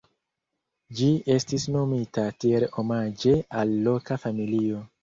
Ĝi estis nomita tiel omaĝe al loka familio.